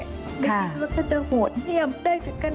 ไม่คิดว่าเขาจะห่วงเที่ยมได้ถึงขนาด